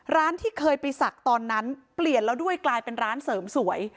ร้านที่เคยไปศักดิ์ตอนนั้นเปลี่ยนแล้วด้วยกลายเป็นร้านเสริมสวย